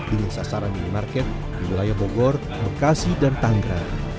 dengan sasaran minimarket di wilayah bogor bekasi dan tanggerang